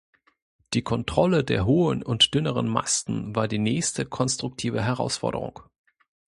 Die Kontrolle der hohen und dünneren Masten war die nächste konstruktive Herausforderung.